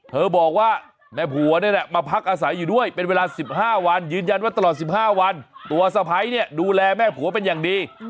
เธอบอกว่าแม่ผัวนี่แหละมาพักอาศัยอยู่ด้วยเป็นเวลา๑๕วันยืนยันว่าตลอด๑๕วันตัวสะพ้ายเนี่ยดูแลแม่ผัวเป็นอย่างดี